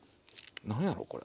何やろこれ？